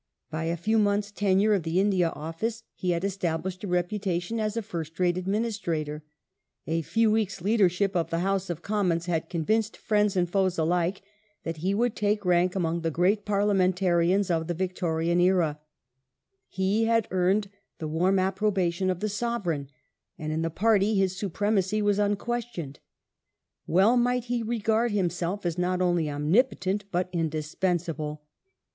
By a few months' tenure of the India Office he had estab lished a reputation as a first rate administrator ; a few weeks' leadership of the House of Commons had convinced friends and foes alike that he would take rank among the gi eat Parliamenta rians of the Victorian era ; he had earned the warm approbation of the Sovereign, and in the Pai'ty his supremacy was unquestioned. Well might he regard himself as not only omnipotent but indis pensable.